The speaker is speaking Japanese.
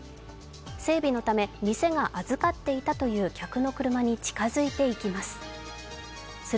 整備のため、店が預かっていたという客の車に近づいていきます。